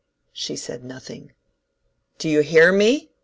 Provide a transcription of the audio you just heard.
She said nothing. "Do you hear me?"